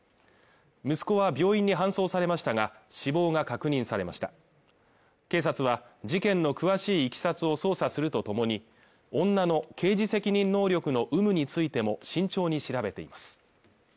息子は病院に搬送されましたが死亡が確認されました警察は事件の詳しいいきさつを捜査するとともに女の刑事責任能力の有無についても慎重に調べています